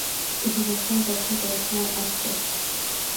It is the site of frequent small earthquakes.